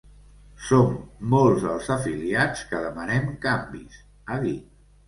Som molts els afiliats que demanem canvis, ha dit.